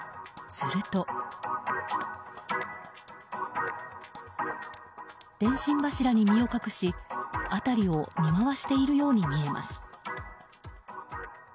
すると、電信柱に身を隠し辺りを見回しているように見えます。